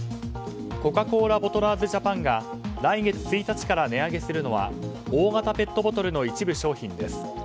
コカ・コーラボトラーズジャパンが来月１日から値上げするのは大型ペットボトルの一部商品です。